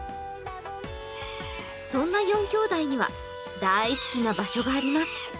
そんな４きょうだいには大好きな場所があります。